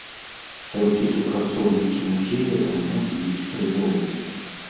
Толькі супрацоўнікі музея даўно б'юць трывогу.